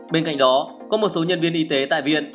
bên cạnh đó có một số nhân viên y tế tại viện